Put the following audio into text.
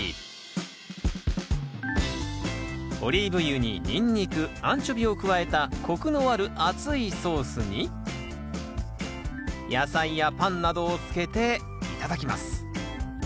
オリーブ油にニンニクアンチョビを加えたコクのある熱いソースに野菜やパンなどをつけて頂きます